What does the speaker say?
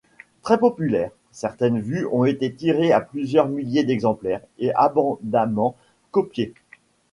Très populaires, certaines vues ont été tirées à plusieurs milliers d'exemplaires et abondamment copiées.